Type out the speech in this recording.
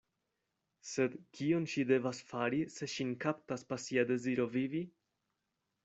Sed kion ŝi devas fari, se ŝin kaptas pasia deziro vivi?